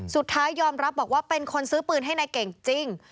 สุดท้ายยอมรับบอกว่าเป็นคนซื้อปืนให้นายเก่งจริง